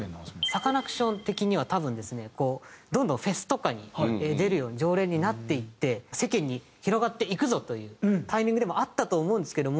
サカナクション的には多分ですねどんどんフェスとかに出るように常連になっていって世間に広がっていくぞというタイミングでもあったと思うんですけども。